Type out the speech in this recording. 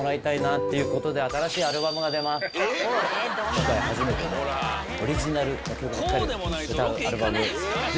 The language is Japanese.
今回初めてオリジナル曲ばかり歌うアルバム。